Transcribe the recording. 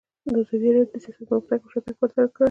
ازادي راډیو د سیاست پرمختګ او شاتګ پرتله کړی.